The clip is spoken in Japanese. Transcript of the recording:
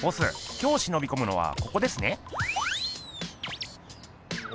今日しのびこむのはここですね。